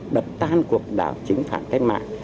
đập tan cuộc đảo chính phản cách mạng